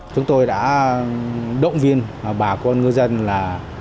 chúng tôi đã động viên bà con ngư dân là